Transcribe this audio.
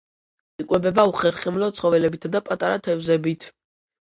იკვებება უხერხემლო ცხოველებითა და პატარა თევზებით.